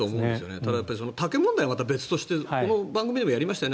ただ、竹問題は別としてこの番組でもやりましたよね。